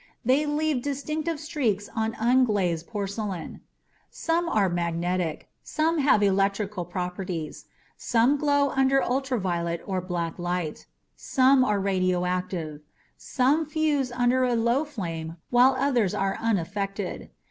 They leave distinctive streaks on unglazed porcelain. Some are magnetic, some have electrical properties, some glow under ultraviolet or black light, some are radioactive, some fuse under a low flame while others are unaffected.